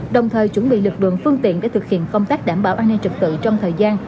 đồng thời chuẩn bị lực lượng phương tiện để thực hiện công tác đảm bảo an ninh trực tự trong thời gian